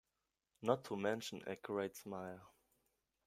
Not to mention a great smile.